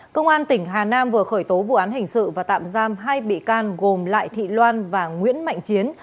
công an tỉnh hà nam vừa khởi tố vụ án hình sự và tạm giam hai bị can gồm lại thị loan và nguyễn mạnh chiến